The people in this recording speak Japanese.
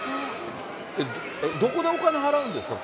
どこでお金払うんですか？